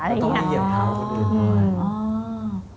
ก็ต้องมีเหยียบเท้าอื่น